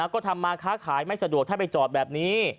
ก็ทำมาค้าขายไม่สะดวกถ้าไปจอดแบบนี้